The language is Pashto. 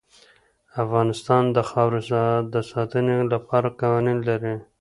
افغانستان د خاوره د ساتنې لپاره قوانین لري.